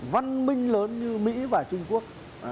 văn minh lớn như mỹ và trung quốc